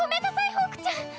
ホークちゃん。